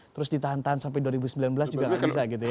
terus ditahan tahan sampai dua ribu sembilan belas juga nggak bisa gitu ya